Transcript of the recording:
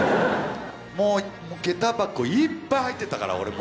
もうげた箱いっぱい入ってたから俺も。